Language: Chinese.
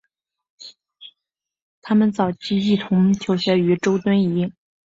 他们早年一同求学于周敦颐。